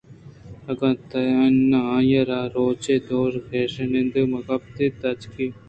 اگاں ناں آئی ءَ را روچے دو ءَ گیش نندگ مہ کپت اَنت نوں تچکی ءَ گپ پدّر اَت کہ اے دُرٛاہیں کارانی پشتءَشوازر ءِ دست مان اِنت